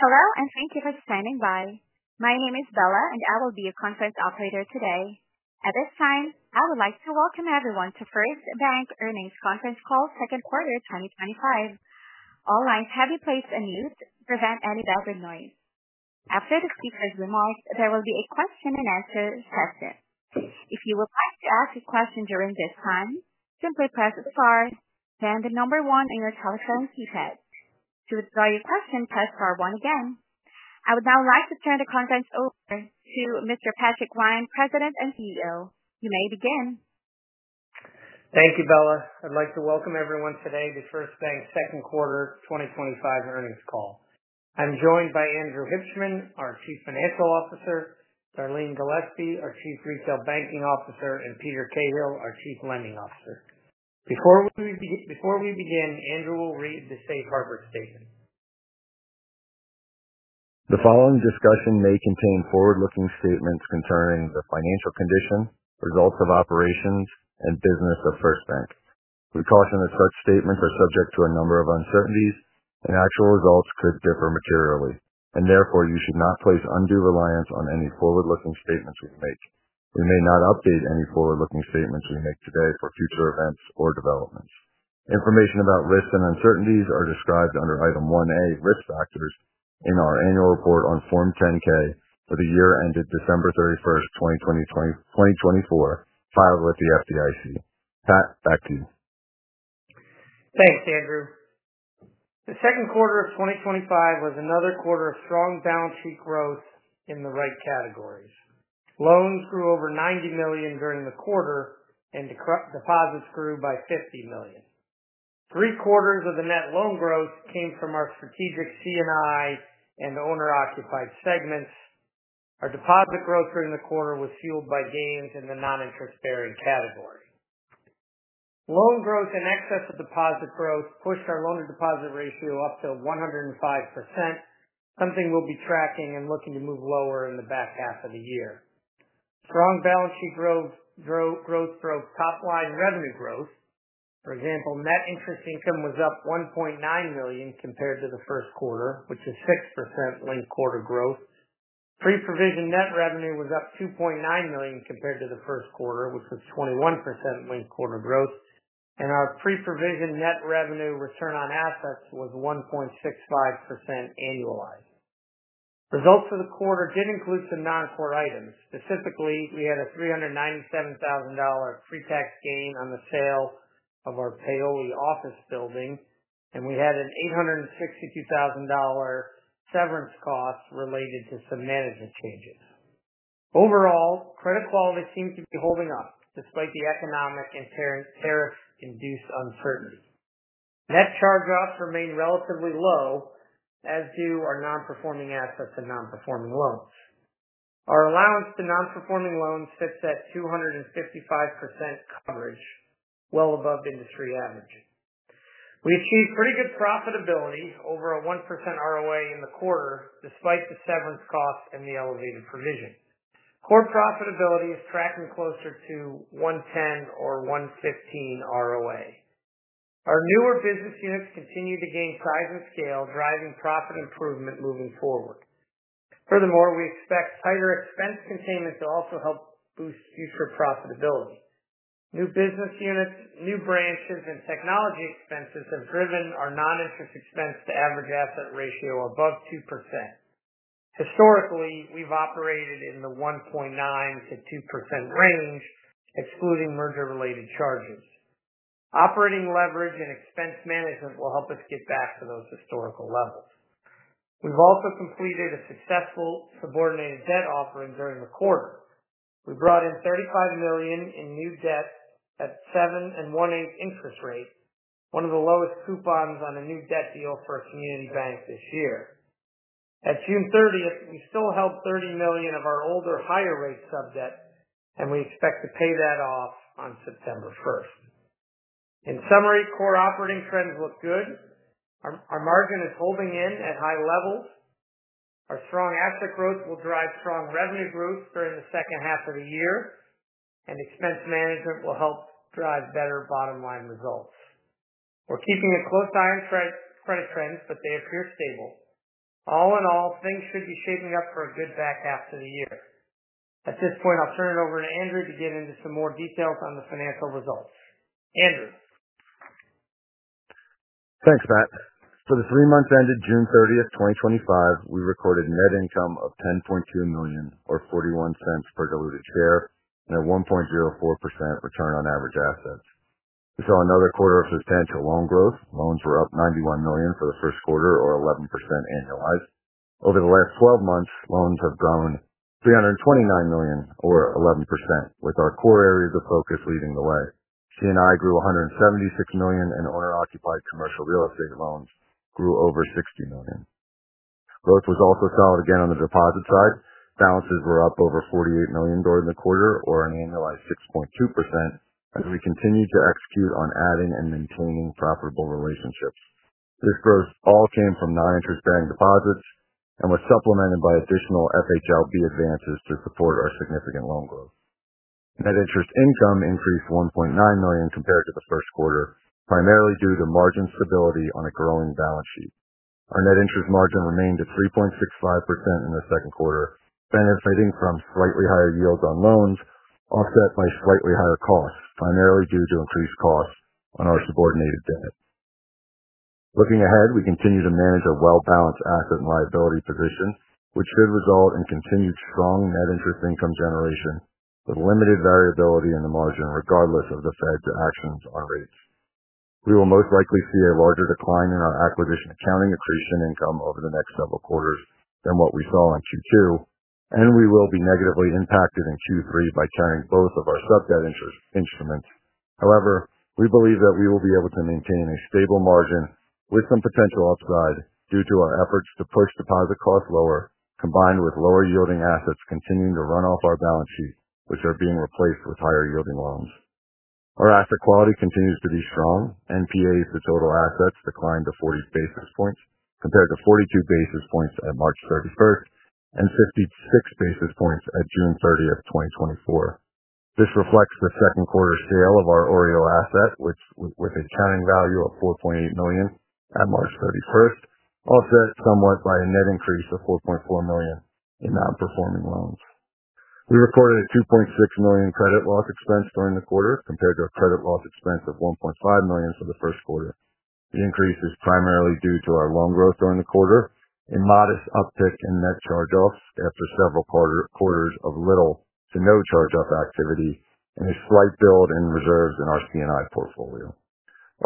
Hello, and thank you for standing by. My name is Bella, and I will be your conference operator today. At this time, I would like to welcome everyone to First Bank earnings conference call, second quarter 2025. All lines have been placed on mute to prevent any background noise. After the speakers' remarks, there will be a question-and-answer session. If you would like to ask a question during this time, simply press the star, then the number one on your telephone keypad. To withdraw your question, press star one again. I would now like to turn the conference over to Mr. Patrick Ryan, President and CEO. You may begin. Thank you, Bella. I'd like to welcome everyone today to First Bank's second quarter 2025 earnings call. I'm joined by Andrew Hibshman, our Chief Financial Officer, Darleen Gillespie, our Chief Retail Banking Officer, and Peter Cahill, our Chief Lending Officer. Before we begin, Andrew will read the safe harbor statement. The following discussion may contain forward-looking statements concerning the financial condition, results of operations, and business of First Bank. We caution that such statements are subject to a number of uncertainties, and actual results could differ materially. Therefore, you should not place undue reliance on any forward-looking statements we make. We may not update any forward-looking statements we make today for future events or developments. Information about risks and uncertainties are described under Item 1A, Risk Factors, in our annual report on Form 10-K for the year ended December 31, 2024, filed with the FDIC. Thanks, Bella. Thanks, Andrew. The second quarter of 2025 was another quarter of strong balance sheet growth in the right categories. Loans grew over $90 million during the quarter, and deposits grew by $50 million. Three-quarters of the net loan growth came from our strategic C&I and owner-occupied segments. Our deposit growth during the quarter was fueled by gains in the non-interest-bearing category. Loan growth and excessive deposit growth pushed our loan-to-deposit ratio up to 105%, something we'll be tracking and looking to move lower in the back half of the year. Strong balance sheet growth drove top-line revenue growth. For example, net interest income was up $1.9 million compared to the first quarter, which is 6% linked quarter growth. Pre-provision net revenue was up $2.9 million compared to the first quarter, which was 21% linked quarter growth. Our pre-provision net revenue return on assets was 1.65% annualized. Results for the quarter did include some non-core items. Specifically, we had a $397,000 pre-tax gain on the sale of our Paoli office building, and we had an $862,000 severance cost related to some management changes. Overall, credit quality seemed to be holding up despite the economic and tariff-induced uncertainty. Net charge-offs remained relatively low, as do our non-performing assets and non-performing loans. Our allowance to non-performing loans sits at 255% coverage, well above industry averages. We achieved pretty good profitability, over a 1% ROA in the quarter, despite the severance costs and the elevated provision. Core profitability is tracking closer to 1.10 or 1.15% ROA. Our newer business units continue to gain size and scale, driving profit improvement moving forward. Furthermore, we expect tighter expense containment to also help boost future profitability. New business units, new branches, and technology expenses have driven our non-interest expense to average asset ratio above 2%. Historically, we've operated in the 1.9 to 2% range, excluding merger-related charges. Operating leverage and expense management will help us get back to those historical levels. We've also completed a successful subordinated debt offering during the quarter. We brought in $35 million in new debt at a 7.125% interest rate, one of the lowest coupons on a new debt deal for a community bank this year. At June 30th, we still held $30 million of our older, higher-rate sub debt, and we expect to pay that off on September 1st. In summary, core operating trends look good. Our margin is holding in at high levels. Our strong asset growth will drive strong revenue growth during the second half of the year, and expense management will help drive better bottom-line results. We're keeping a close eye on credit trends, but they appear stable. All in all, things should be shaping up for a good back half of the year. At this point, I'll turn it over to Andrew to get into some more details on the financial results. Andrew. Thanks, Pat. For the three months ended June 30, 2025, we recorded net income of $10.2 million, or $0.41 per diluted share, and a 1.04% return on average assets. We saw another quarter of substantial loan growth. Loans were up $91 million for the first quarter, or 11% annualized. Over the last 12 months, loans have grown $329 million, or 11%, with our core areas of focus leading the way. C&I grew $176 million, and owner-occupied commercial real estate loans grew over $60 million. Growth was also solid again on the deposit side. Balances were up over $48 million during the quarter, or an annualized 6.2%, as we continued to execute on adding and maintaining profitable relationships. This growth all came from non-interest-bearing deposits and was supplemented by additional FHLB advances to support our significant loan growth. Net interest income increased $1.9 million compared to the first quarter, primarily due to margin stability on a growing balance sheet. Our net interest margin remained at 3.65% in the second quarter, benefiting from slightly higher yields on loans offset by slightly higher costs, primarily due to increased costs on our subordinated debt. Looking ahead, we continue to manage a well-balanced asset and liability position, which should result in continued strong net interest income generation with limited variability in the margin, regardless of the Fed's actions on rates. We will most likely see a larger decline in our acquisition accounting accretion income over the next several quarters than what we saw in Q2, and we will be negatively impacted in Q3 by carrying both of our sub-debt instruments. However, we believe that we will be able to maintain a stable margin with some potential upside due to our efforts to push deposit costs lower, combined with lower-yielding assets continuing to run off our balance sheet, which are being replaced with higher-yielding loans. Our asset quality continues to be strong. Non-performing assets to total assets declined to 40 basis points compared to 42 basis points at March 31 and 56 basis points at June 30, 2024. This reflects the second quarter sale of our OREO asset, which, with a carrying value of $4.8 million at March 31, was offset somewhat by a net increase of $4.4 million in non-performing loans. We recorded a $2.6 million credit loss expense during the quarter, compared to a credit loss expense of $1.5 million for the first quarter. The increase is primarily due to our loan growth during the quarter and a modest uptick in net charge-offs after several quarters of little to no charge-off activity, and a slight build in reserves in our C&I portfolio.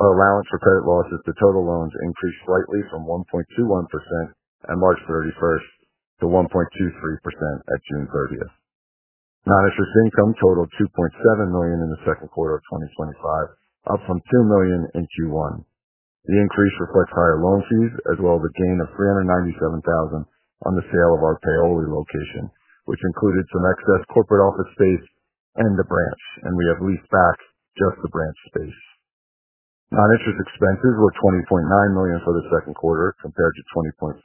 Our allowance for credit losses to total loans increased slightly from 1.21% at March 31 to 1.23% at June 30. Non-interest income totaled $2.7 million in the second quarter of 2025, up from $2 million in Q1. The increase reflects higher loan fees as well as a gain of $397,000 on the sale of our Paoli location, which included some excess corporate office space and the branch, and we have leased back just the branch space. Non-interest expenses were $20.9 million for the second quarter, compared to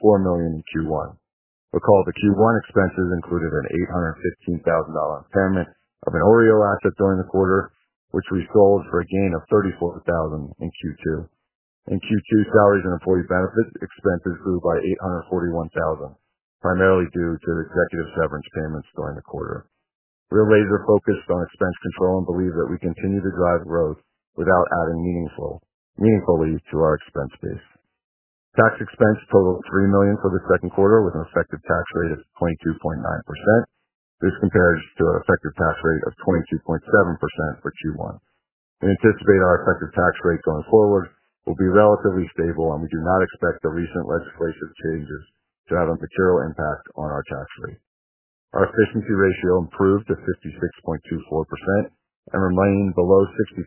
$20.4 million in Q1. Recall the Q1 expenses included an $815,000 impairment of an OREO asset during the quarter, which reached goals for a gain of $34,000 in Q2. In Q2, salaries and employee benefits expenses grew by $841,000, primarily due to executive severance payments during the quarter. We're laser-focused on expense control and believe that we continue to drive growth without adding meaningfully to our expense base. Tax expense totaled $3 million for the second quarter, with an effective tax rate of 22.9%, which compares to an effective tax rate of 22.7% for Q1. We anticipate our effective tax rate going forward will be relatively stable, and we do not expect the recent legislative changes to have a material impact on our tax rate. Our efficiency ratio improved to 56.24% and remained below 60%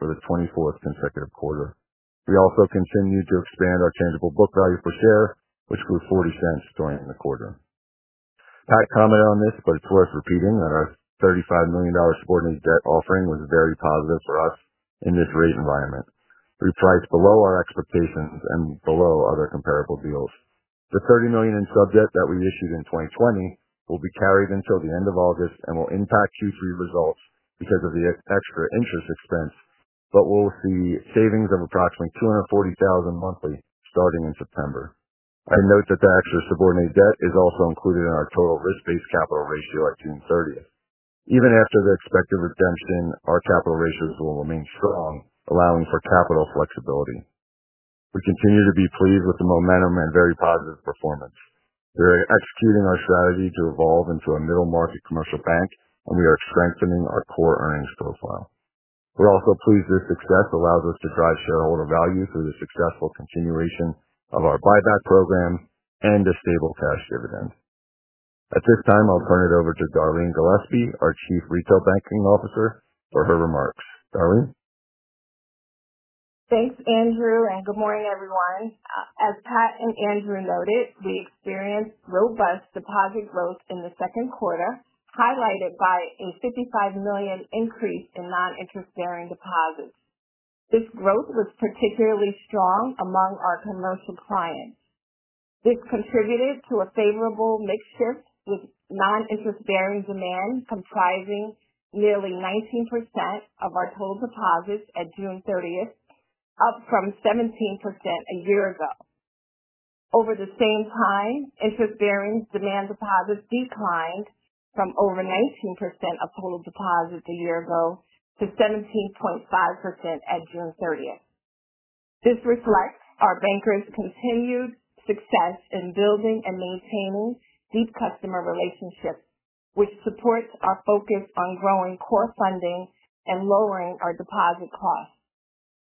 for the 24th consecutive quarter. We also continued to expand our tangible book value per share, which grew $0.40 during the quarter. Pat commented on this, but it's worth repeating that our $35 million subordinated debt offering was very positive for us in this rate environment. We priced below our expectations and below other comparable deals. The $30 million in sub debt that we issued in 2020 will be carried until the end of August and will impact Q3 results because of the extra interest expense, but we'll see savings of approximately $240,000 monthly starting in September. I note that the excess subordinated debt is also included in our total risk-based capital ratio at June 30. Even after the expected redemption, our capital ratios will remain strong, allowing for capital flexibility. We continue to be pleased with the momentum and very positive performance. We are executing our strategy to evolve into a middle-market commercial bank, and we are strengthening our core earnings profile. We're also pleased this success allows us to drive shareholder value through the successful continuation of our buyback program and a stable cash dividend. At this time, I'll turn it over to Darleen Gillespie, our Chief Retail Banking Officer, for her remarks. Darleen? Thanks, Andrew, and good morning, everyone. As Pat and Andrew noted, we experienced robust deposit growth in the second quarter, highlighted by a $55 million increase in non-interest-bearing deposits. This growth was particularly strong among our commercial clients. This contributed to a favorable mixed shift with non-interest-bearing demand comprising nearly 19% of our total deposits at June 30th, up from 17% a year ago. Over the same time, interest-bearing demand deposits declined from over 19% of total deposits a year ago to 17.5% at June 30th. This reflects our bankers' continued success in building and maintaining deep customer relationships, which supports our focus on growing core funding and lowering our deposit costs.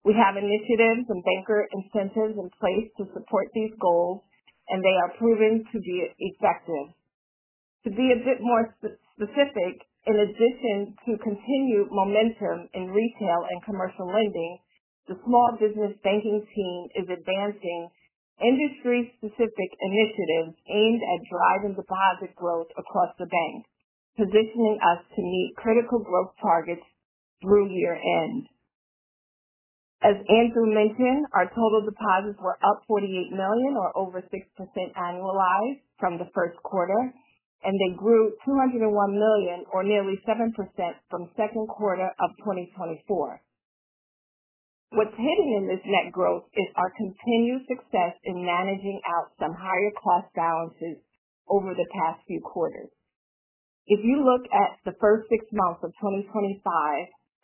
We have initiatives and banker incentives in place to support these goals, and they are proven to be effective. To be a bit more specific, in addition to continued momentum in retail and commercial lending, the Small Business Banking Team is advancing industry-specific initiatives aimed at driving deposit growth across the bank, positioning us to meet critical growth targets through year-end. As Andrew mentioned, our total deposits were up $48 million, or over 6% annualized, from the first quarter, and they grew $201 million, or nearly 7%, from the second quarter of 2024. What's hidden in this net growth is our continued success in managing out some higher cost balances over the past few quarters. If you look at the first six months of 2025,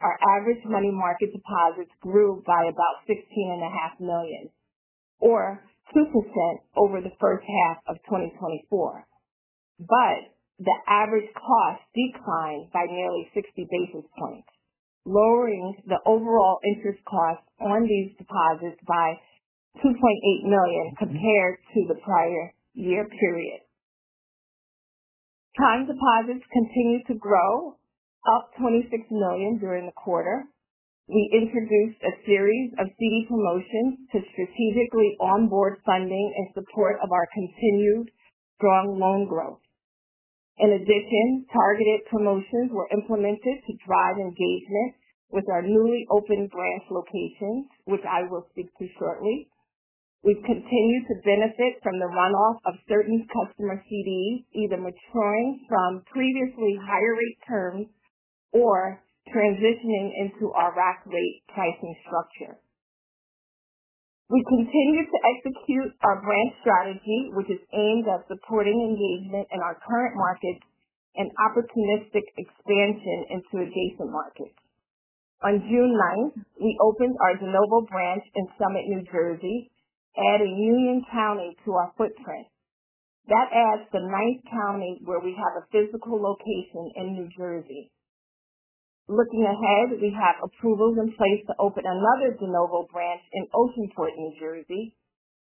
our average money market deposits grew by about $16.5 million, or 2% over the first half of 2024. The average cost declined by nearly 60 basis points, lowering the overall interest cost on these deposits by $2.8 million compared to the prior year period. Time deposits continued to grow, up $26 million during the quarter. We introduced a series of CD promotions to strategically onboard funding in support of our continued strong loan growth. In addition, targeted promotions were implemented to drive engagement with our newly opened branch locations, which I will speak to shortly. We have continued to benefit from the runoff of certain customer CDs, either maturing from previously higher rate terms or transitioning into our rack rate pricing structure. We continue to execute our branch strategy, which is aimed at supporting engagement in our current markets and opportunistic expansion into adjacent markets. On June 9th, we opened our new branch in Summit, New Jersey, adding Union County to our footprint. That adds the ninth county where we have a physical location in New Jersey. Looking ahead, we have approvals in place to open another de novo branch in Oceanport, New Jersey,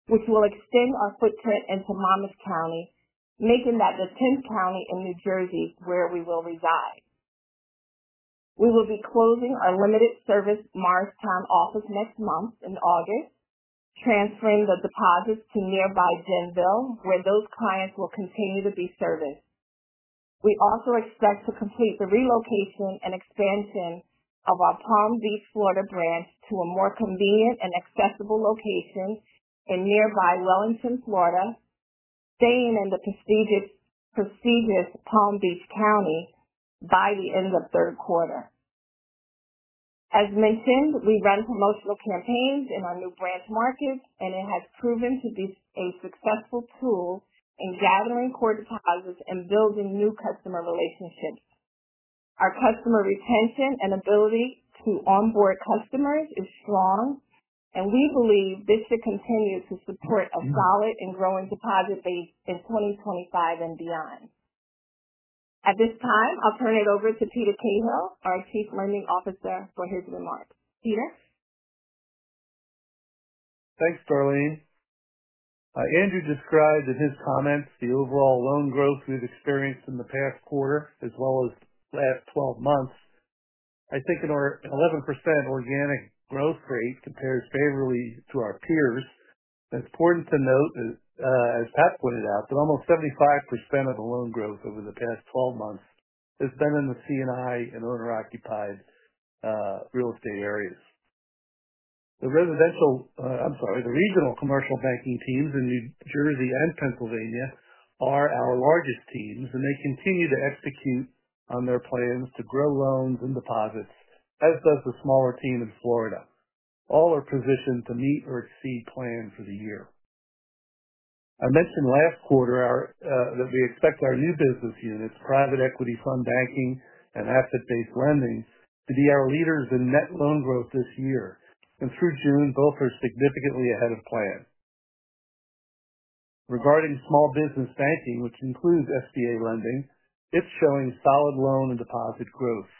which will extend our footprint into Monmouth County, making that the 10th county in New Jersey where we will reside. We will be closing our limited service Morristown office next month in August, transferring the deposits to nearby Denville, where those clients will continue to be serviced. We also expect to complete the relocation and expansion of our Palm Beach, Florida branch to a more convenient and accessible location in nearby Wellington, Florida, staying in the prestigious Palm Beach County by the end of the third quarter. As mentioned, we run promotional campaigns in our new branch markets, and it has proven to be a successful tool in gathering core deposits and building new customer relationships. Our customer retention and ability to onboard customers is strong, and we believe this should continue to support a solid and growing deposit base in 2025 and beyond. At this time, I'll turn it over to Peter Cahill, our Chief Lending Officer, for his remarks. Peter. Thanks, Darleen. Andrew described in his comments the overall loan growth we've experienced in the past quarter, as well as the last 12 months. I think our 11% organic growth rate compares favorably to our peers. It's important to note, as Pat pointed out, that almost 75% of the loan growth over the past 12 months has been in the C&I and owner-occupied real estate areas. The regional commercial banking teams in New Jersey and Pennsylvania are our largest teams, and they continue to execute on their plans to grow loans and deposits, as does the smaller team in Florida. All are positioned to meet or exceed plan for the year. I mentioned last quarter that we expect our new business units, private equity fund banking and asset-based lending to be our leaders in net loan growth this year. Through June, both are significantly ahead of plan. Regarding small business banking, which includes SBA lending, it's showing solid loan and deposit growth.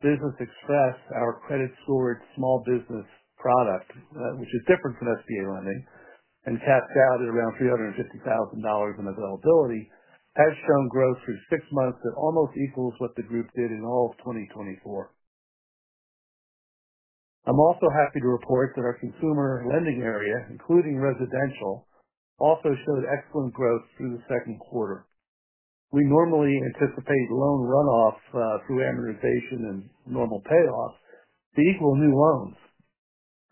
Business Express, our credit-scored small business product, which is different from SBA lending, and capped out at around $350,000 in availability, has shown growth for six months that almost equals what the group did in all of 2024. I'm also happy to report that our consumer lending area, including residential, also showed excellent growth through the second quarter. We normally anticipate loan runoffs through amortization and normal payoffs. These will be new loans.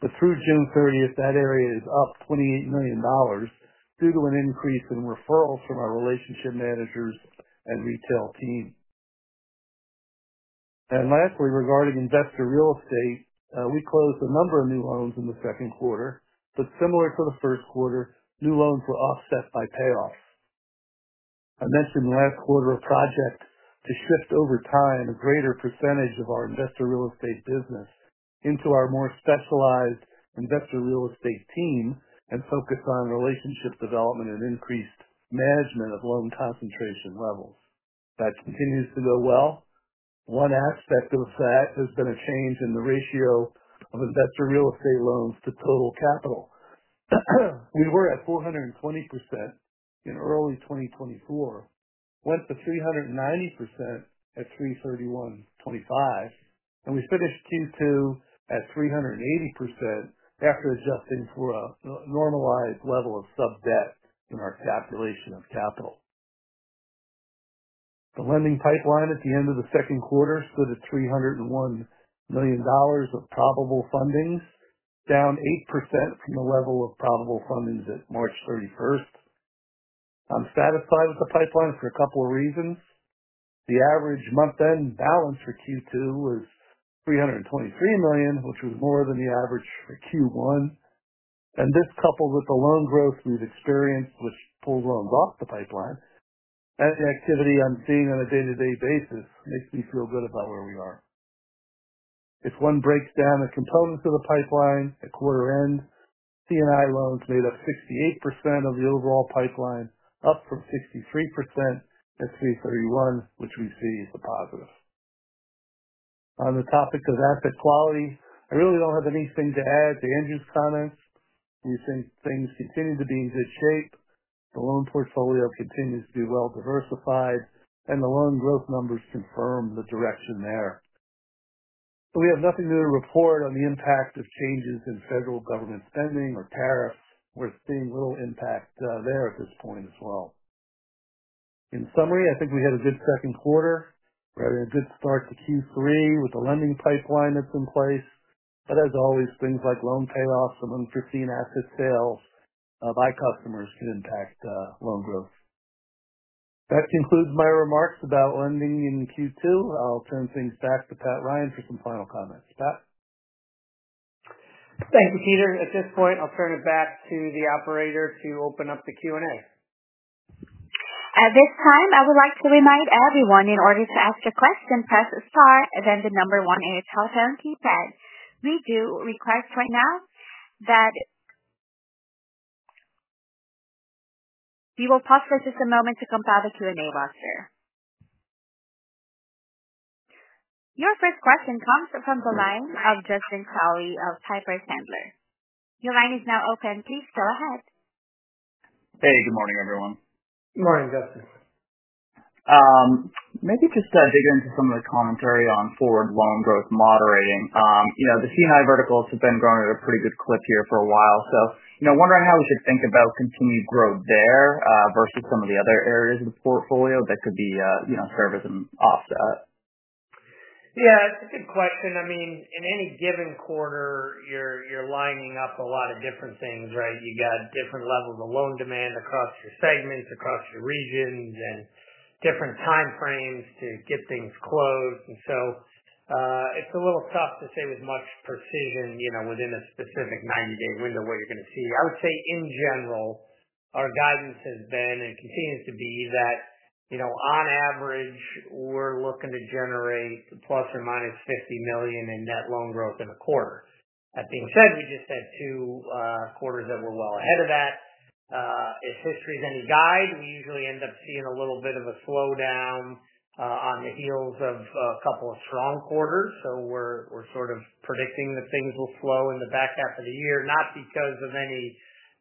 Through June 30th, that area is up $28 million, due to an increase in referrals from our relationship managers and retail team. Lastly, regarding investor real estate, we closed a number of new loans in the second quarter, but similar to the third quarter, new loans were offset by payoffs. I mentioned last quarter a project to shift over time a greater percentage of our investor real estate business into our more specialized investor real estate team and focus on relationship development and increased management of loan concentration levels. That continues to go well. One aspect of that has been a change in the ratio of investor real estate loans to total capital. We were at 420% in early 2024, went to 390% at 3/31/25, and we finished Q2 at 380% after adjusting for a normalized level of sub-debt in our calculation of capital. The lending pipeline at the end of the second quarter stood at $301 million of probable fundings, down 8% from the level of probable fundings at March 31. I'm satisfied with the pipeline for a couple of reasons. The average month-end balance for Q2 was $323 million, which was more than the average for Q1. This, coupled with the loan growth we've experienced with full loans off the pipeline and the activity I'm seeing on a day-to-day basis, makes me feel good about where we are. If one breaks down the components of the pipeline at quarter end, C&I loans made up 68% of the overall pipeline, up from 63% at 3/31, which we see as a positive. On the topic of asset quality, I really don't have anything to add to Andrew Hibshman's comments. We think things continue to be in good shape. The loan portfolio continues to be well diversified, and the loan growth numbers confirm the direction there. We have nothing to report on the impact of changes in federal spending or tariffs, where it's seeing little impact at this point as well. In summary, I think we had a good second quarter, ready a good start to Q3 with the lending pipeline that's in place. As always, things like loan payoffs and unforeseen asset sales by customers should impact loan growth. That concludes my remarks about lending in Q2. I'll turn things back to Patrick Ryan for some final comments. Pat? Thank you, Peter. At this point, I'll turn it back to the operator to open up the Q&A. At this time, I would like to remind everyone, in order to ask a question, press the star, then the number one on your telephone keypad. We do request right now that you pause for just a moment to compile the Q&A roster. Your first question comes from the line of Justin Crowley of Piper Sandler. Your line is now open. Please go ahead. Hey, good morning, everyone. Good morning, Justin. Maybe just dig into some of the commentary on forward loan growth moderating. The C&I verticals have been growing at a pretty good clip here for a while. I'm wondering how we should think about continued growth there versus some of the other areas of the portfolio that could be serviced and offset? Yeah, it's a good question. I mean, in any given quarter, you're lining up a lot of different things, right? You've got different levels of loan demand across your segments, across your regions, and different time frames to get things closed. It's a little tough to say with much precision, you know, within a specific 90-day window, what you're going to see. I would say, in general, our guidance has been and continues to be that, you know, on average, we're looking to generate plus or minus $50 million in net loan growth in a quarter. That being said, we just had two quarters that were well ahead of that. If history's any guide, we usually end up seeing a little bit of a slowdown on the heels of a couple of strong quarters. We're sort of predicting that things will slow in the back half of the year, not because of any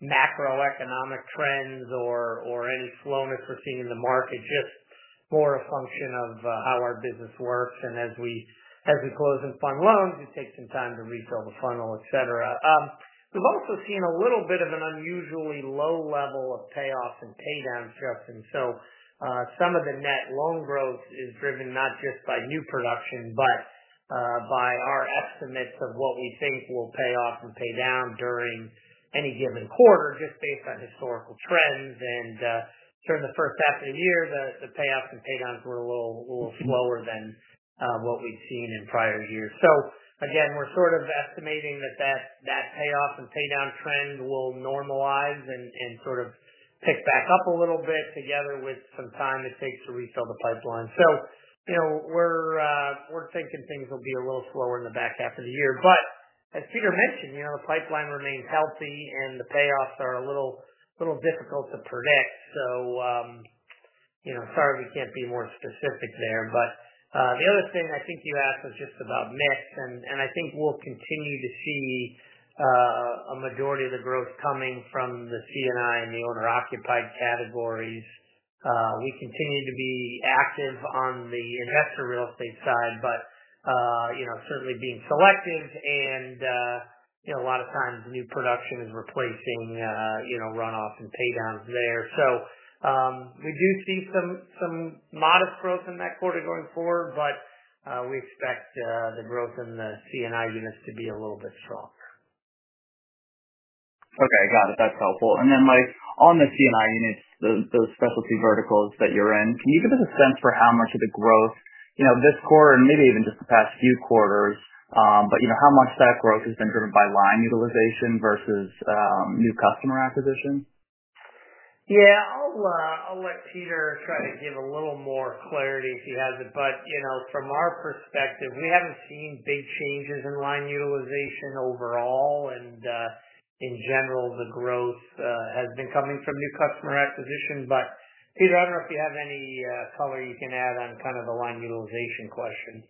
macroeconomic trends or any slowness we're seeing in the market, just more a function of how our business works. As we close and fund loans, it takes some time to refill the funnel, et cetera. We've also seen a little bit of an unusually low level of payoffs and paydowns, Justin. Some of the net loan growth is driven not just by new production, but by our estimates of what we think will pay off and pay down during any given quarter, just based on historical trends. During the first half of the year, the payoffs and paydowns were a little slower than what we've seen in prior years. We're sort of estimating that that payoff and paydown trend will normalize and sort of pick back up a little bit, together with some time it takes to refill the pipeline. We're thinking things will be a little slower in the back half of the year. As Peter mentioned, the pipeline remains healthy, and the payoffs are a little difficult to predict. Sorry, we can't be more specific there. The other thing I think you asked was just about mix, and I think we'll continue to see a majority of the growth coming from the C&I and the owner-occupied categories. We continue to be active on the investor real estate side, but certainly being selective. A lot of times, new production is replacing runoff and paydowns there. We do see some modest growth in that quarter going forward, but we expect the growth in the C&I units to be a little bit stronger. Okay, got it. That's helpful. On the C&I units, those specialty verticals that you're in, can you give us a sense for how much of the growth this quarter and maybe even just the past few quarters, how much that growth has been driven by line utilization versus new customer acquisition? I'll let Peter try to give a little more clarity if he has it. From our perspective, we haven't seen big changes in line utilization overall. In general, the growth has been coming from new customer acquisition. Peter, I don't know if you have any color you can add on kind of a line utilization question.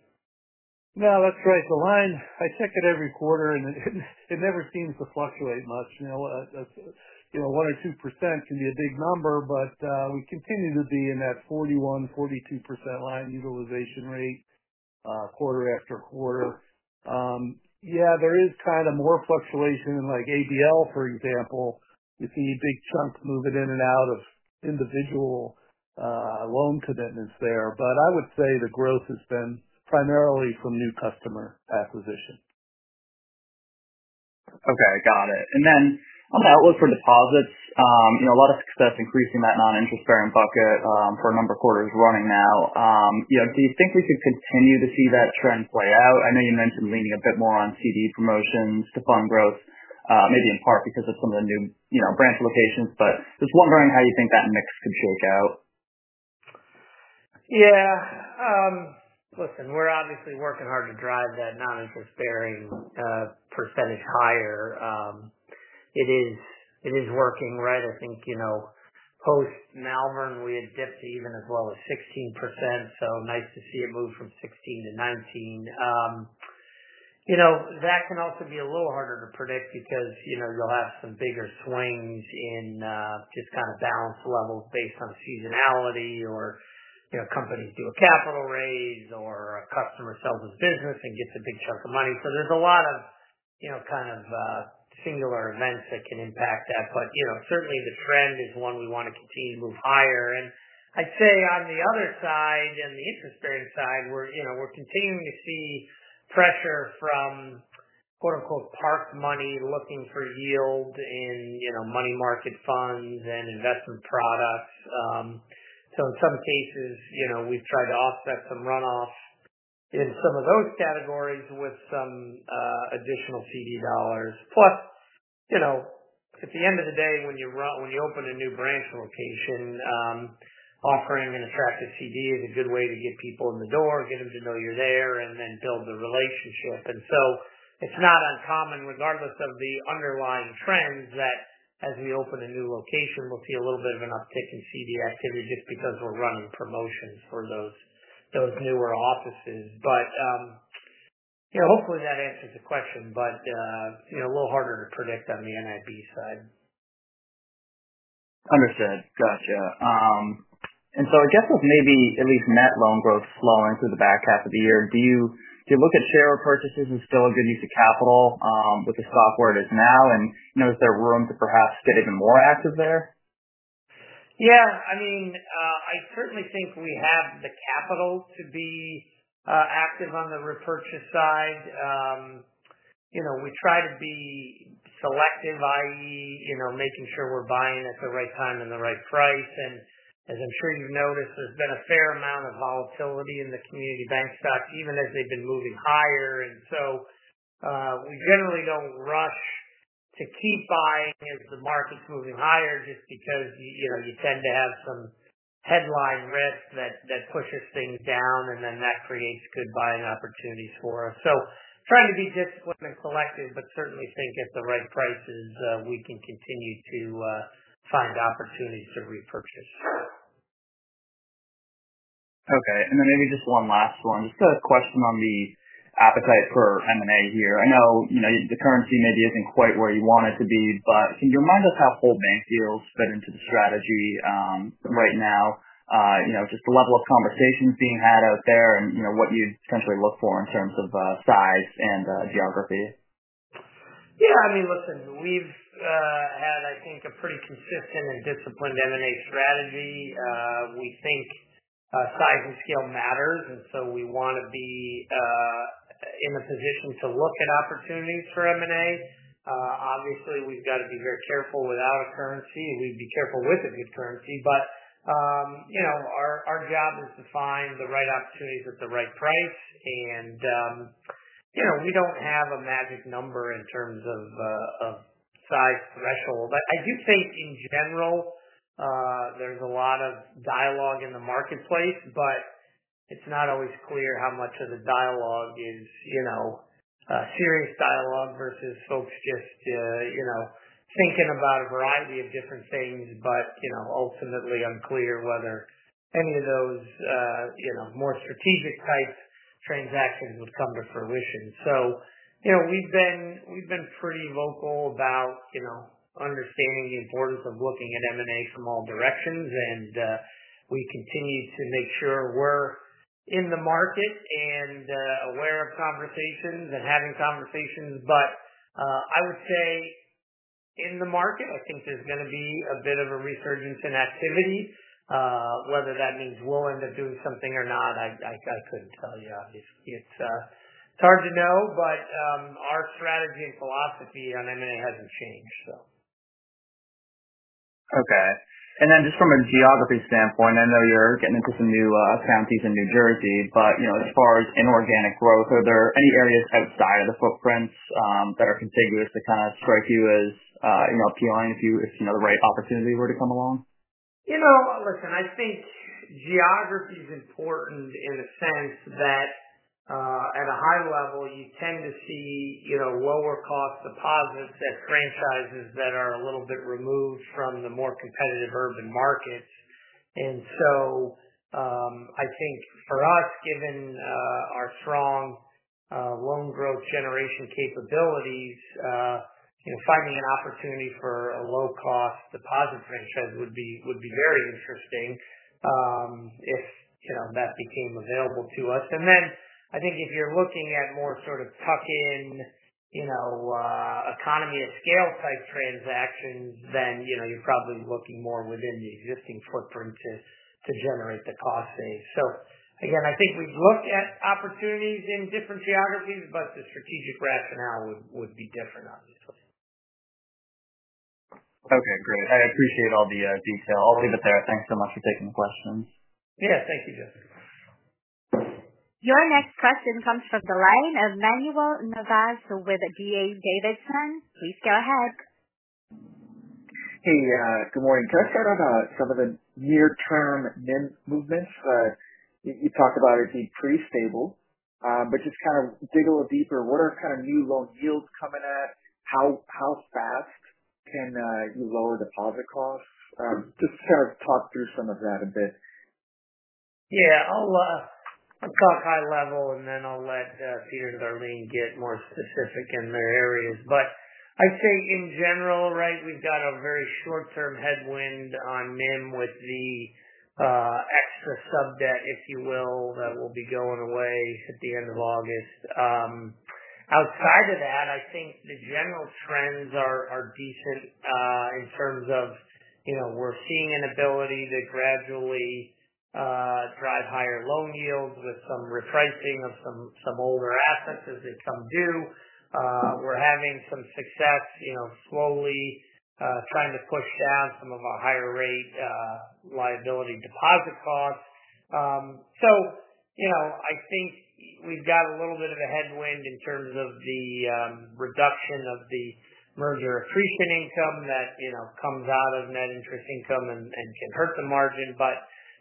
No, that's right. The line, I check it every quarter, and it never seems to fluctuate much. Now, that's 1 or 2% can be a big number, but we continue to be in that 41, 42% line utilization rate quarter after quarter. There is kind of more fluctuation in like ABL, for example, if you need a big chunk to move it in and out of individual loan commitments there. I would say the growth has been primarily from new customer acquisition. Okay, got it. On the outlook for deposits, you know, a lot of success increasing that non-interest-bearing bucket for a number of quarters running now. Do you think we should continue to see that trend play out? I know you mentioned leaning a bit more on CD promotions to fund growth, maybe in part because of some of the new branch locations, but just wondering how you think that mix could shake out. Yeah, listen, we're obviously working hard to drive that non-interest-bearing percentage higher. It is working, right? I think, you know, post-Malvern, we had dips even as low as 16%. Nice to see it move from 16% to 19%. That can also be a little harder to predict because you'll have some bigger swings in just kind of balance levels based on seasonality or companies do a capital raise, or a customer sells his business and gets a big chunk of money. There's a lot of kind of singular events that can impact that. Certainly, the trend is one we want to continue to move higher. I'd say on the other side, on the interest-bearing side, we're continuing to see pressure from quote-unquote "park money" looking for yield in money market funds and investment products. In some cases, we've tried to offset some runoff in some of those categories with some additional CD dollars. Plus, at the end of the day, when you open a new branch location, offering an attractive CD is a good way to get people in the door, get them to know you're there, and then build the relationship. It's not uncommon, regardless of the underlying trends, that as we open a new location, we'll see a little bit of an uptick in CD activity just because we're running promotions for those newer offices. Hopefully, that answers the question, but a little harder to predict on the NIB side. Understood. Gotcha. I guess with maybe at least net loan growth slowing through the back half of the year, do you look at share repurchases as still a good use of capital with the stock where it is now? You know, is there room to perhaps get even more active there? Yeah, I mean, I certainly think we have the capital to be active on the repurchase side. We try to be selective, i.e., making sure we're buying at the right time and the right price. As I'm sure you've noticed, there's been a fair amount of volatility in the community bank stocks, even as they've been moving higher. We generally don't rush to keep buying as the market's moving higher, just because you tend to have some headline risk that pushes things down, and that creates good buying opportunities for us. Trying to be disciplined and selective, but certainly think at the right prices, we can continue to find opportunities to repurchase. Okay, and then maybe just one last one. Just a question on the appetite for M&A here. I know the currency maybe isn't quite where you want it to be, but can you remind us how holding deals fit into the strategy right now? Just the level of conversations being had out there and what you essentially look for in terms of size and geography? Yeah, I mean, listen, we've had, I think, a pretty consistent and disciplined M&A strategy. We think size and scale matters, and we want to be in a position to look at opportunities for M&A. Obviously, we've got to be very careful without a currency. We'd be careful with a good currency. Our job is to find the right opportunities at the right price. We don't have a magic number in terms of size threshold. I do think in general, there's a lot of dialogue in the marketplace, but it's not always clear how much of the dialogue is serious dialogue versus folks just thinking about a variety of different things. Ultimately, unclear whether any of those more strategic types of transactions would come to fruition. We've been pretty vocal about understanding the importance of looking at M&A from all directions. We continue to make sure we're in the market and aware of conversations and having conversations. I would say in the market, I think there's going to be a bit of a resurgence in activity. Whether that means we'll end up doing something or not, I couldn't tell you. It's hard to know, but our strategy and philosophy on M&A hasn't changed. Okay. From a geography standpoint, I know you're getting into some new counties in New Jersey, but as far as inorganic growth, are there any areas outside of the footprint that are contiguous that kind of strike you as appealing if the right opportunity were to come along? I think geography is important in the sense that, at a high level, you tend to see lower-cost deposits at grain sizes that are a little bit removed from the more competitive urban markets. I think for us, given our strong loan growth generation capabilities, finding an opportunity for a low-cost deposit franchise would be very interesting if that became available to us. If you're looking at more sort of tuck-in, economy of scale type transactions, you're probably looking more within the existing footprint to generate the cost base. I think we've looked at opportunities in different geographies, but the strategic rationale would be different, obviously. Okay, great. I appreciate all the detail. I'll leave it there. Thanks so much for taking the questions. Yeah, thank you, Justin. Your next question comes from the line of Manuel Navas with D.A. Davidson. Please go ahead. Hey, good morning. Can I start out about some of the near-term movements? You talk about it being pretty stable, just kind of dig a little deeper. What are kind of new low yields coming at? How fast can you lower deposit costs? Just kind of talk through some of that a bit. Yeah, I'll talk high level, and then I'll let Peter and Darleen get more specific in their areas. I'd say in general, we've got a very short-term headwind on NIM with the extra sub debt, if you will, that will be going away at the end of August. Outside of that, I think the general trends are decent in terms of, you know, we're seeing an ability to gradually drive higher loan yields with some repricing of some older assets as they come due. We're having some success, slowly trying to push down some of our higher-rate liability deposit costs. I think we've got a little bit of a headwind in terms of the reduction of the merger accretion income that comes out of net interest income and can hurt the margin.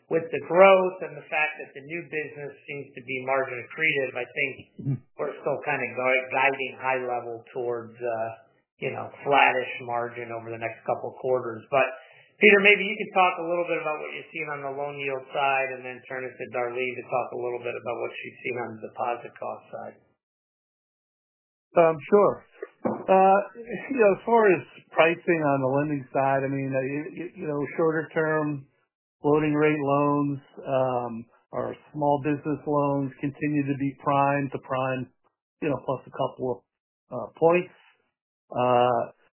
With the growth and the fact that the new business seems to be margin accretive, I think we're still kind of guiding high level towards flattish margin over the next couple of quarters. Peter, maybe you could talk a little bit about what you're seeing on the loan yield side, and then turn it to Darleen to talk a little bit about what she's seen on the deposit cost side. Sure. As far as pricing on the lending side, shorter-term floating rate loans or small business loans continue to be prime to prime plus a couple of points.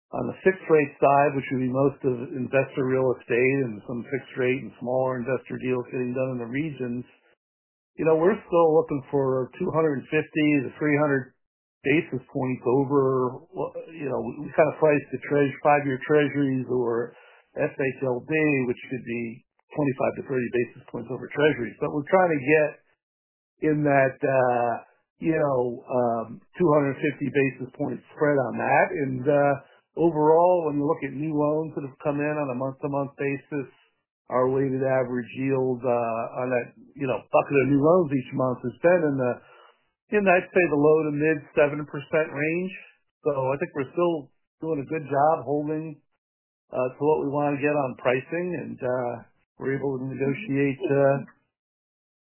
On the fixed-rate side, which would be most of investor real estate and some fixed-rate and smaller investor deals here in the regions, we're still looking for 250 to 300 basis points over, we kind of price the trend five-year treasuries or FHLB, which could be 25 to 30 basis points over treasuries. We're trying to get in that 250 basis points spread on that. Overall, when you look at new loans that have come in on a month-to-month basis, our weighted average yield on that bucket of new loans each month has been in the, I'd say, the low to mid 70% range. I think we're still doing a good job holding to what we want to get on pricing, and we're able to negotiate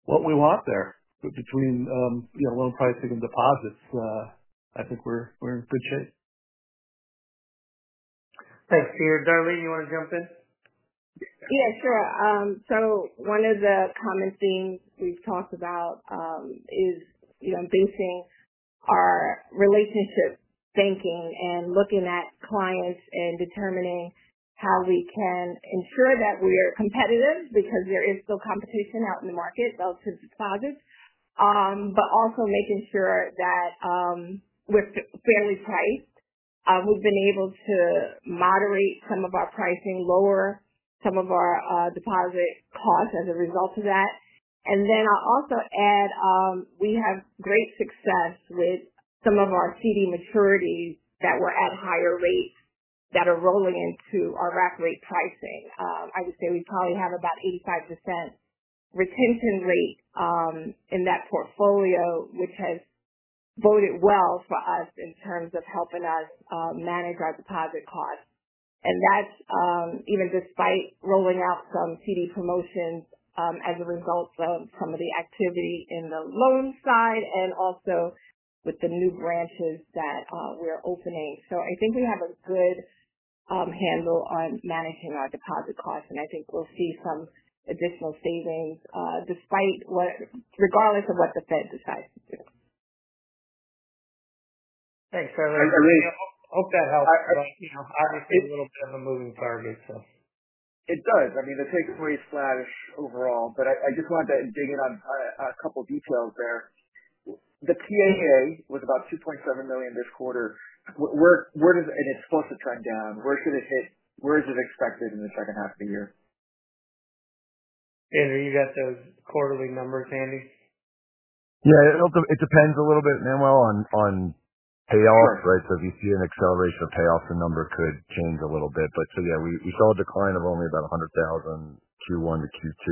what we want there. Between loan pricing and deposits, I think we're in a good space. Thanks, Peter. Darleen, you want to jump in? Yeah, sure. One of the common themes we've talked about is, you know, basing our relationship banking and looking at clients and determining how we can ensure that we are competitive because there is still competition out in the market relative to deposits. Also, making sure that we're fairly priced. We've been able to moderate some of our pricing, lower some of our deposit costs as a result of that. I'll also add, we have great success with some of our CD maturities that were at higher rates that are rolling into our rack rate pricing. I would say we probably have about 85% retention rate in that portfolio, which has boded well for us in terms of helping us manage our deposit costs. That's even despite rolling out some CD promotions as a result of some of the activity on the loan side and also with the new branches that we're opening. I think we have a good handle on managing our deposit costs, and I think we'll see some additional savings regardless of what the Fed decides to do. Thanks, Darleen. I hope that helps. Obviously, a little bit of a moving target. It does. I mean, the takeaway is flat overall, but I just wanted to dig in on a couple of details there. The TAA was about $2.7 million this quarter. Where does it, and it's close to trend down? Where could it hit? Where is it expected in the second half of the year? Andrew, you got those quarterly numbers handy? Yeah, it depends a little bit, Manuel, on payoff, right? If you see an acceleration of payoff, the number could change a little bit. We saw a decline of only about $100,000 Q1 to Q2.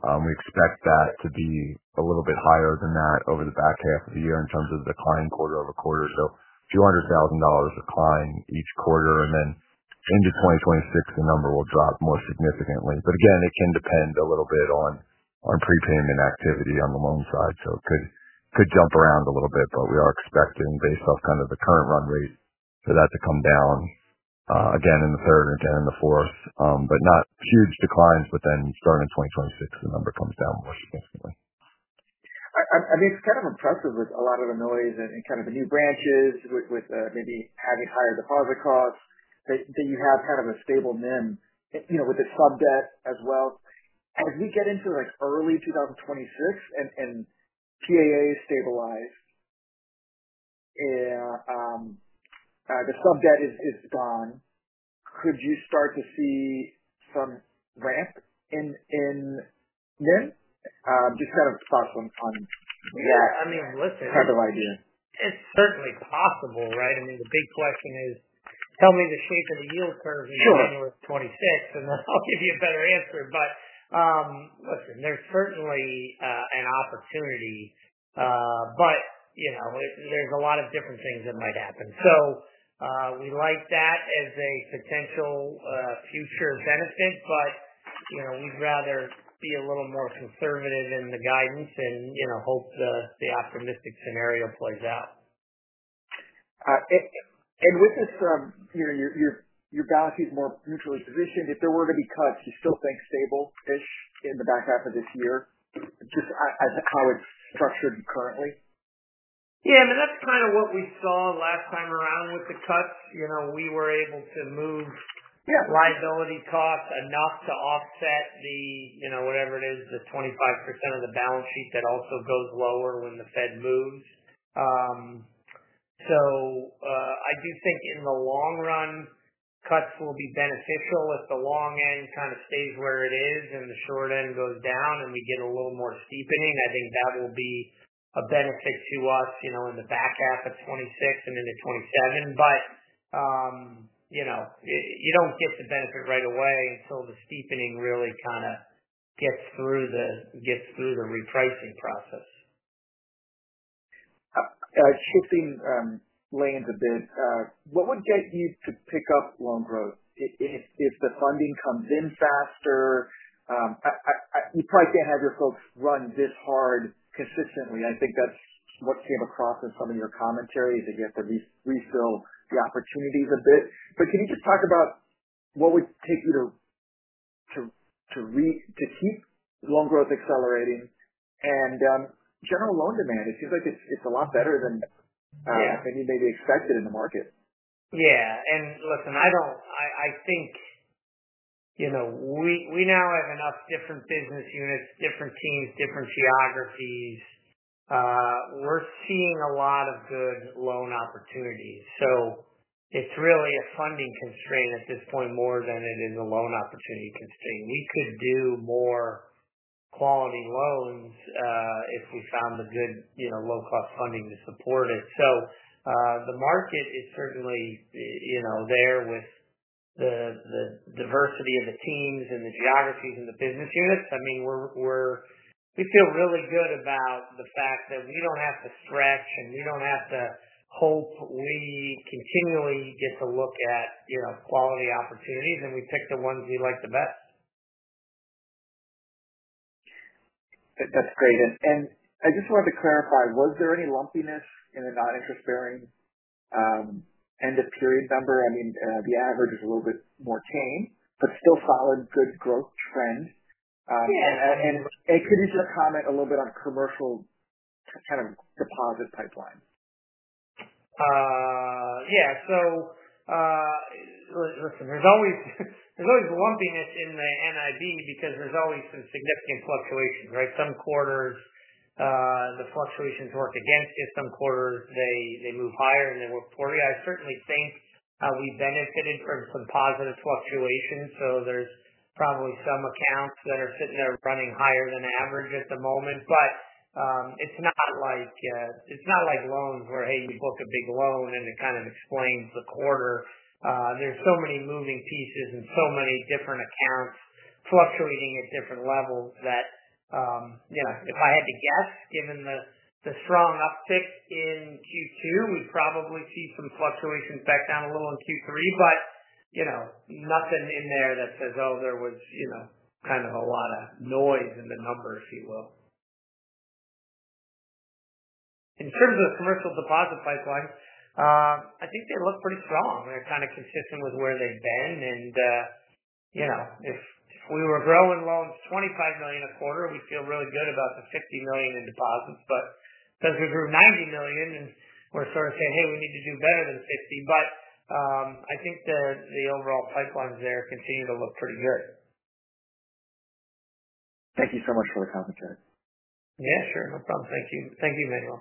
We expect that to be a little bit higher than that over the back half of the year in terms of the decline quarter over quarter. $200,000 decline each quarter, and then in 2026, the number will drop more significantly. Again, it can depend a little bit on prepayment activity on the loan side. It could jump around a little bit, but we are expecting, based off kind of the current run rate, for that to come down again in the third and again in the fourth, not huge declines. Starting in 2026, the number comes down more significantly. I mean, it's kind of impressive with a lot of the noise and the new branches, with maybe having higher deposit costs. Do you have a stable net interest margin, you know, with the club debt as well? As we get into early 2026 and TAA stabilized, the club debt is gone, could you start to see some ramp in yield? Just kind of a spot on. Yeah, I mean, listen, it's certainly possible, right? I mean, the big question is, tell me the seasonal yield curve in January of 2026, and I'll give you a better answer. There's certainly an opportunity, but you know, there's a lot of different things that might happen. We like that as a potential future benefit, but you know, we'd rather be a little more conservative in the guidance and hope the optimistic scenario plays out. Peter, your galaxy is more mutually consistent. If there weren't any cuts, do you still think stable this in the back half of this year? It's just, I think, how it's structured currently. Yeah, I mean, that's kind of what we saw last time around with the cuts. We were able to move liability costs enough to offset the, you know, whatever it is, the 25% of the balance sheet that also goes lower when the Fed moves. I do think in the long run, cuts will be beneficial if the long end kind of stays where it is and the short end goes down, and we get a little more steepening. I think that will be a benefit to us in the back half of 2026 and into 2027. You don't get the benefit right away until the steepening really kind of gets through the repricing process. Shifting lanes a bit, what would get you to pick up loan growth? If the funding comes in faster, you probably can't have your folks run this hard consistently. I think that's what came across in some of your commentaries, that you have to refill the opportunities a bit. Can you just talk about what would take you to keep loan growth accelerating and general loan demand? It seems like it's a lot better than you maybe expected in the market. Yeah, I think we now have enough different business units, different teams, different geographies. We're seeing a lot of good loan opportunities. It's really a funding constraint at this point more than it is a loan opportunity constraint. We could do more quality loans if we found good, low-cost funding to support it. The market is certainly there with the diversity of the teams and the geographies and the business units. We feel really good about the fact that we don't have to stretch and we don't have to hope. We continually get to look at quality opportunities, and we pick the ones we like the best. That's great. I just wanted to clarify, was there any lumpiness in the non-interest-bearing end-of-period number? I mean, the average is a little bit more toned, but still followed good growth trends. Could you just comment a little bit on commercial kind of deposit pipeline? Yeah, so, listen, there's always the lumpiness in the NIB because there's always some significant fluctuations, right? Some quarters, the fluctuations work against it. Some quarters, they move higher, and they work toward it. I certainly think we benefited from some positive fluctuations. There's probably some accounts that are sitting there running higher than average at the moment. It's not like loans, where, hey, you book a big loan and it kind of explains the quarter. There are so many moving pieces and so many different accounts fluctuating at different levels that, you know, if I had to guess, given the strong uptick in Q2, we probably see some fluctuations back down a little in Q3, but nothing in there that says, oh, there was kind of a lot of noise in the numbers, if you will. In terms of the commercial deposit pipeline, I think they look pretty strong. They're kind of consistent with where they've been. If we were growing loans $25 million a quarter, we'd feel really good about the $50 million in deposits. As we grew $90 million, and we're sort of saying, hey, we need to do better than $50 million. I think the overall pipelines there continue to look pretty good. Thank you so much for the commentary. Yeah, sure. No problem. Thank you. Thank you, Manuel.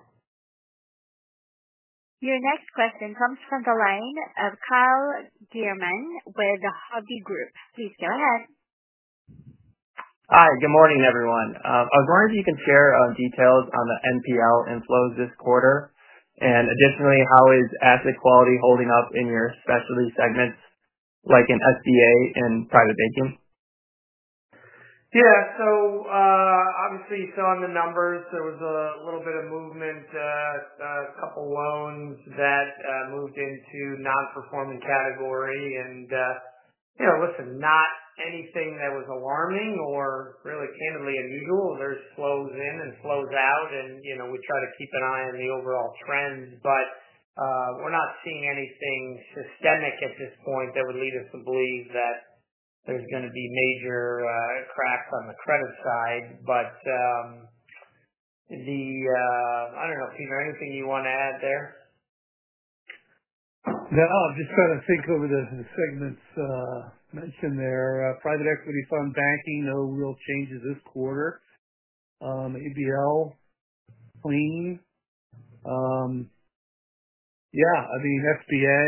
Your next question comes from the line of Kyle Gierman with Hovde Group. Please go ahead. Hi, good morning, everyone. I was wondering if you can share details on the NPL inflows this quarter. Additionally, how is asset quality holding up in your specialty segments, like in SBA and private banking? Yeah, obviously, you saw in the numbers, there was a little bit of movement, a couple loans that moved into the non-performing category. You know, not anything that was alarming or really candidly unusual. There are flows in and flows out, and we try to keep an eye on the overall trends, but we're not seeing anything systemic at this point that would lead us to believe that there's going to be major cracks on the credit side. I don't know, Peter, anything you want to add there? No, I'm just trying to think over the segments mentioned there. Private equity fund banking, no real changes this quarter. Asset-based lending, clean. Yeah, I mean, SBA,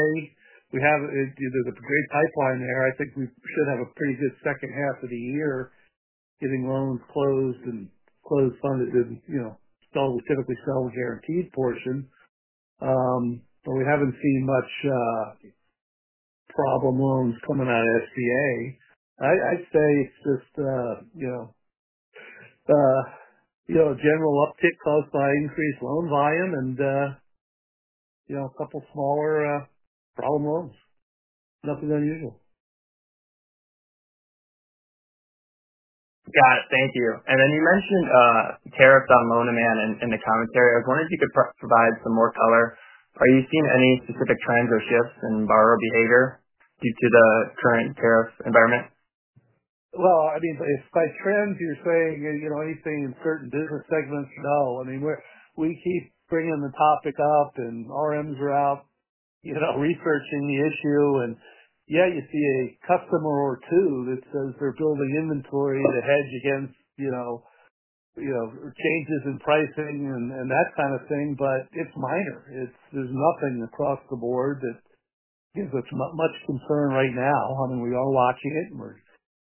we have a great pipeline there. I think we should have a pretty good second half of the year, getting loans closed and closed funded and, you know, typically settled guarantees portion. We haven't seen much problem loans coming out of SBA. I'd say it's just, you know, a general uptick caused by increased loan volume and, you know, a couple smaller problem loans. Nothing unusual. Got it. Thank you. You mentioned tariffs on loan demand in the commentary. I was wondering if you could provide some more color. Are you seeing any specific trends or shifts in borrower behavior due to the current tariff environment? As far as trends, you're saying, you know, anything in certain business segments? No. I mean, we keep bringing the topic up, and RMs are out, you know, researching the issue. You see a customer or two that says they're building inventory to hedge against, you know, changes in pricing and that kind of thing, but it's minor. There's nothing across the board that gives us much concern right now. I mean, we are watching it and we're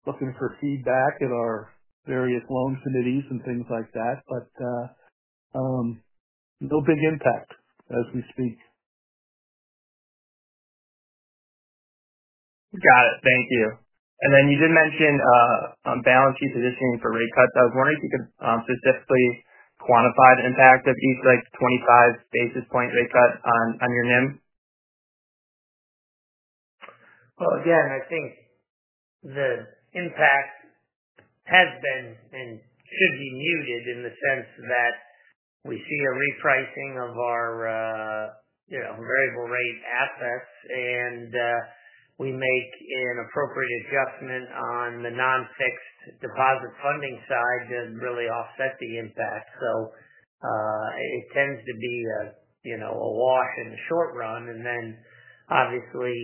looking for feedback at our various loan committees and things like that. No big impact as we speak. Got it. Thank you. You did mention on balance sheet positioning for rate cuts. I was wondering if you could specifically quantify the impact of each 25-basis-point rate cut on your NIM? I think the impact has been and should be muted in the sense that we see a repricing of our, you know, variable rate assets. We make an appropriate adjustment on the non-fixed deposit funding side to really offset the impact. It tends to be a, you know, a wash in the short run. Obviously,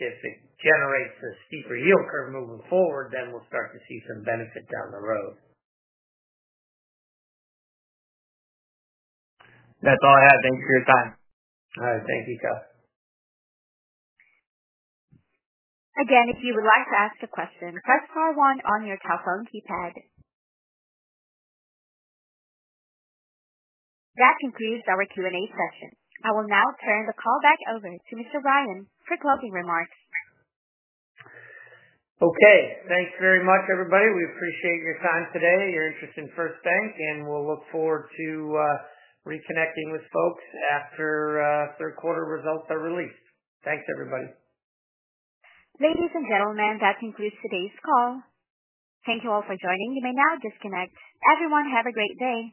if it generates a steeper yield curve moving forward, then we'll start to see some benefit down the road. That's all I have. Thank you for your time. All right. Thank you, Kyle. Again, if you would like to ask a question, press star one on your telephone keypad. That concludes our Q&A session. I will now turn the call back over to Mr. Ryan for closing remarks. Okay. Thanks very much, everybody. We appreciate your time today, your interest in First Bank, and we'll look forward to reconnecting with folks after third quarter results are released. Thanks, everybody. Ladies and gentlemen, that concludes today's call. Thank you all for joining. You may now disconnect. Everyone, have a great day.